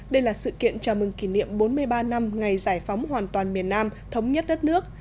đây là sự kiện chào mừng kỷ niệm bốn mươi ba năm ngày giải phóng hoàn toàn miền nam thống nhất đất nước